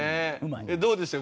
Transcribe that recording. どうでしたか？